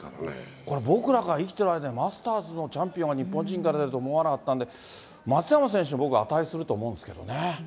これ、僕らが生きてる間にマスターズのチャンピオンが日本人から出ると思わなかったんで、松山選手、僕は値すると思うんですけどね。